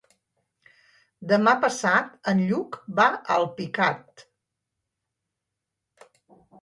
Demà passat en Lluc va a Alpicat.